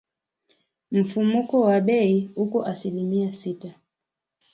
Mfumuko wa bei uko asilimia sita